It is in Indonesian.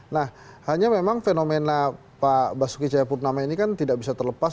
nah hanya memang fenomena pak basuki cahayapurnama ini kan tidak bisa terlepas